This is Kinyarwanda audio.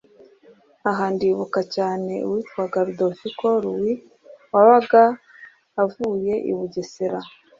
aha ndibuka cyane uwitwaga Ludoviko (Louis) wabaga avuye i Bugesera